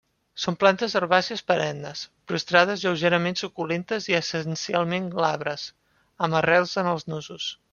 Són plantes herbàcies perennes, prostrades, lleugerament suculentes i essencialment glabres, amb arrels en els nusos.